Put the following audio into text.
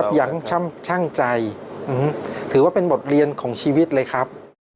อย่างช่างใจถือว่าเป็นบทเรียนของชีวิตเลยครับ